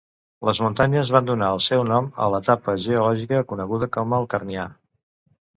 Les muntanyes van donar el seu nom a l'etapa geològica coneguda com el Carnià.